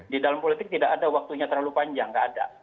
di dalam politik tidak ada waktunya terlalu panjang nggak ada